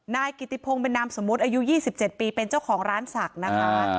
นายกิติพงศ์เป็นนามสมมุติอายุ๒๗ปีเป็นเจ้าของร้านศักดิ์นะคะ